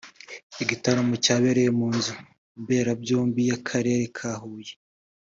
igitaramo cyabereye mu nzu mberabyombi y’akarere ka Huye